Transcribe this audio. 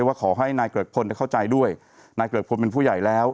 อย่าขอให้นายเกริกพลเข้าใจอย่างน้อย